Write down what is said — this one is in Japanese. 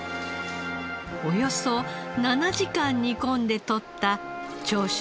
およそ７時間煮込んでとった長州